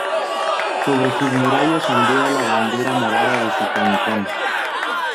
Sobre sus murallas ondea la bandera morada de su cantón.